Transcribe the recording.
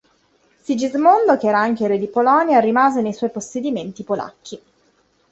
Sigismondo che era anche re di Polonia, rimase nei suoi possedimenti polacchi.